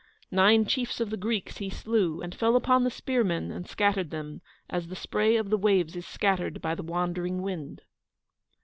Nine chiefs of the Greeks he slew, and fell upon the spearmen and scattered them, as the spray of the waves is scattered by the wandering wind.